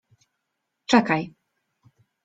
- Czekaj.